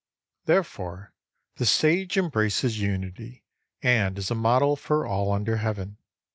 Therefore the Sage embraces Unity, and is a model for all under Heaven.